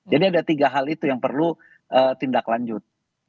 jadi ada tiga hal itu yang perlu tindak lanjut